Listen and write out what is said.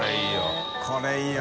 これいいよ。